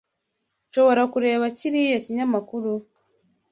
Nshobora kureba kiriya kinyamakuru?